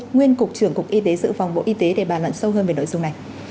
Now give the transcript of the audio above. nguyên cục trưởng cục y tế dự phòng bộ y tế để bàn luận sâu hơn về nội dung này